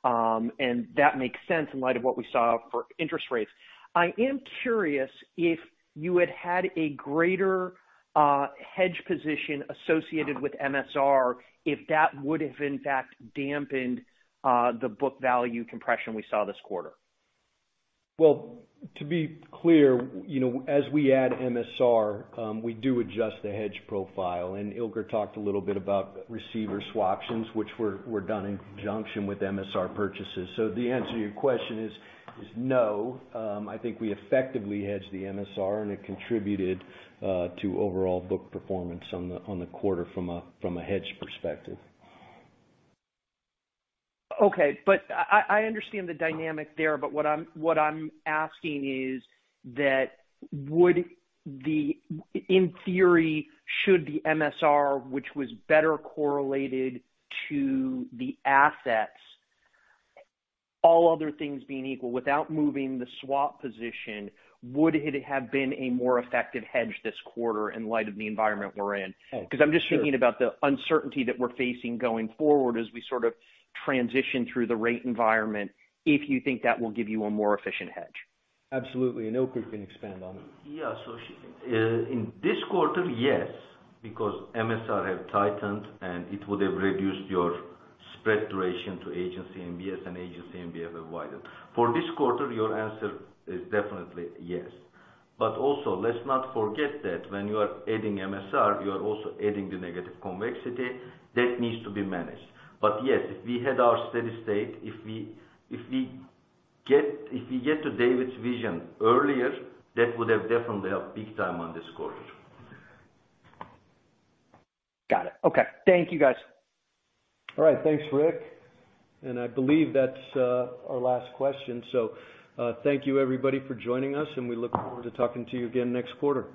That makes sense in light of what we saw for interest rates. I am curious if you had a greater hedge position associated with MSR, if that would have in fact dampened the book value compression we saw this quarter. Well, to be clear, as we add MSR, we do adjust the hedge profile. Ilker Ertas talked a little bit about receiver swaptions, which were done in conjunction with MSR purchases. The answer to your question is no. I think we effectively hedged the MSR, and it contributed to overall book performance on the quarter from a hedge perspective. Okay. What I'm asking is that in theory, should the MSR, which was better correlated to the assets, all other things being equal, without moving the swap position, would it have been a more effective hedge this quarter in light of the environment we're in? Oh, sure. I'm just thinking about the uncertainty that we're facing going forward as we sort of transition through the rate environment, if you think that will give you a more efficient hedge. Absolutely, Ilker can expand on it. Yeah. In this quarter, yes, because MSR have tightened, and it would have reduced your spread duration to Agency MBS and Agency MBS have widened. For this quarter, your answer is definitely yes. Also, let's not forget that when you are adding MSR, you are also adding the negative convexity that needs to be managed. Yes, if we had our steady state, if we get to David's vision earlier, that would have definitely helped big time on this quarter. Got it. Okay. Thank you, guys. All right. Thanks, Rick. I believe that's our last question. Thank you everybody for joining us, and we look forward to talking to you again next quarter.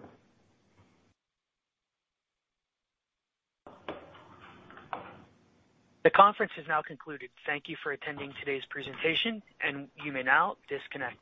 The conference is now concluded. Thank you for attending today's presentation. You may now disconnect.